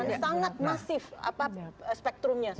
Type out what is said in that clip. dan sangat masif spektrumnya